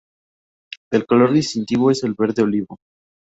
El color distintivo es el verde olivo.